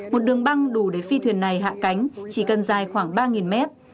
một đường băng đủ để phi thuyền này hạ cánh chỉ cần dài khoảng ba mét